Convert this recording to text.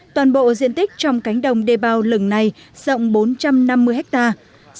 toàn bộ diện tích trong cánh đồng đề bào lừng này rộng bốn trăm năm mươi hectare